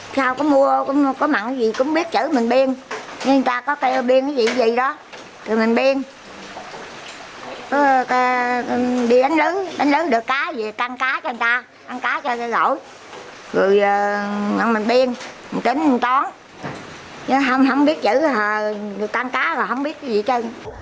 không biết chữ tan cá rồi không biết gì chứ